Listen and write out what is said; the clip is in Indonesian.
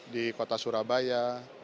di kota surabaya